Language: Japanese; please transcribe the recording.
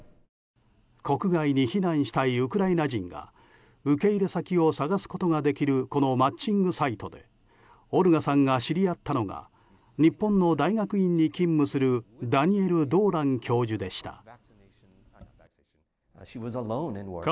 国外に避難したいウクライナ人が受け入れ先を探すことができるこのマッチングサイトでオルガさんが知り合ったのが日本の大学院に勤務するダニエル・ドーラン教授でした。